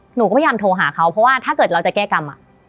หนูก็พยายามโทรหาเขาเพราะว่าถ้าเกิดเราจะแก้กรรม